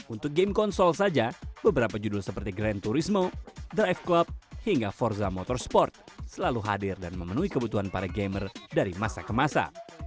untuk game konsol saja beberapa judul seperti grand turisme drive club hingga forza motorsport selalu hadir dan memenuhi kebutuhan para gamer dari masa ke masa